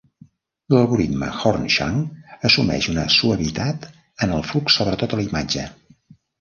L'algoritme Horn-Schunck assumeix una suavitat en el flux sobre tota la imatge.